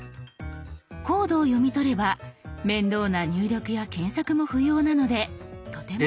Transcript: コードを読み取れば面倒な入力や検索も不要なのでとても便利ですよ。